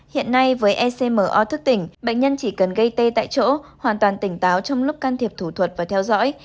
hiện nay với ecmo thức tỉnh bệnh nhân chỉ cần gây tê tại chỗ hoàn toàn tỉnh táo trong lúc can thiệp thủ thuật và theo dõi